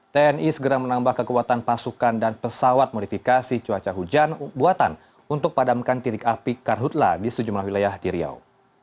tni segera menambah kekuatan pasukan dan pesawat modifikasi cuaca hujan buatan untuk padamkan titik api karhutla di sejumlah wilayah di riau